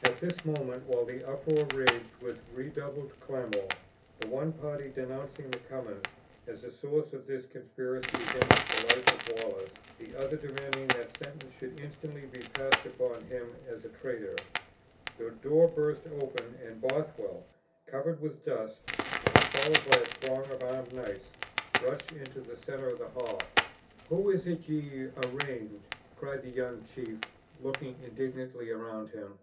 At this moment, while the uproar raged with redoubled clamor the one party denouncing the Cummins as the source of this conspiracy against the life of Wallace; the other demanding that sentence should instantly be passed upon him as a traitor the door burst open and Bothwell, covered with dust, and followed by a throng of armed knights, rushed into the center of the hall. "Who is it ye arraign?" cried the young chief, looking indignantly around him.